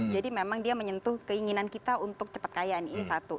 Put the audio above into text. memang dia menyentuh keinginan kita untuk cepat kaya nih ini satu